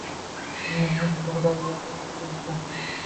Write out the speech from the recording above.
Uyingiz bug’doyga to’lsin